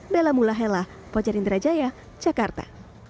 bela mulahela pojar indrajaya jakarta